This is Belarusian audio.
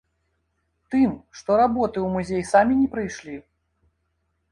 Тым, што работы ў музей самі не прыйшлі?